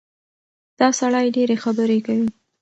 دا سړی ډېرې خبرې کوي.